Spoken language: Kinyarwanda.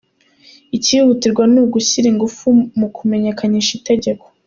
Ikihutirwa ni ugushyira ingufu mu kumenyekanisha itegeko.